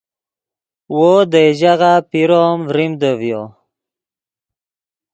وو دئے ژاغہ پیرو ام ڤریمدے ڤیو